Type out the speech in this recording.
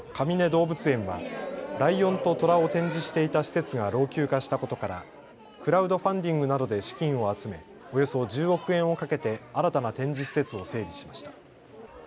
動物園はライオンとトラを展示していた施設が老朽化したことからクラウドファンディングなどで資金を集めおよそ１０億円をかけて新たな展示施設を整備しました。